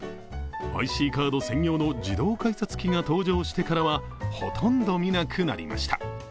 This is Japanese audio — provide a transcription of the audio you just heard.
ＩＣカード専用の自動改札機が登場してからは、ほとんどみなくなりました。